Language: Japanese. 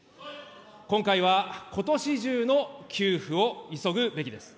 今回は、ことし中の給付を急ぐべきです。